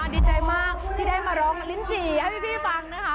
ดีใจมากที่ได้มาร้องลิ้นจี่ให้พี่ฟังนะคะ